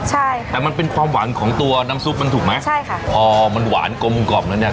ใช่ค่ะแต่มันเป็นความหวานของตัวน้ำซุปมันถูกไหมใช่ค่ะพอมันหวานกลมกล่อมแล้วเนี้ย